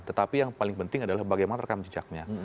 tetapi yang paling penting adalah bagaimana rekam jejaknya